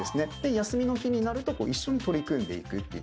休みの日になると一緒に取り組んでいくっていう。